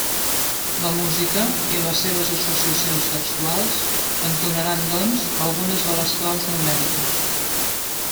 La música —i les seves associacions textuals— ens donaran, doncs, algunes de les claus numèriques.